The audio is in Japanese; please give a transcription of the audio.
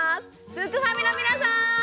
すくファミの皆さん！